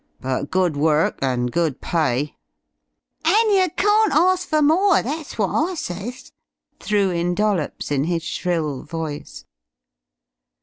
But good work and good pay." "And yer carnt arsk fer more, that's wot I ses!" threw in Dollops in his shrill voice.